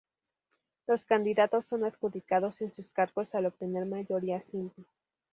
Los candidatos son adjudicados en sus cargos al obtener mayoría simple.